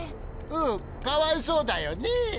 うんかわいそうだよねえ。